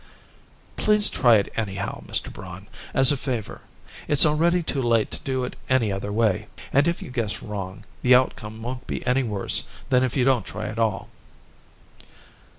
"Please try it anyhow, Mr. Braun as a favor. It's already too late to do it any other way. And if you guess wrong, the outcome won't be any worse than if you don't try at all."